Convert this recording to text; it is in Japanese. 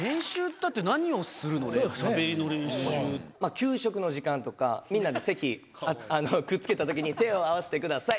給食の時間とかみんなで席くっつけたときに「手を合わせてください」